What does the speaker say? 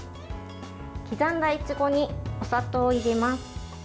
刻んだいちごにお砂糖を入れます。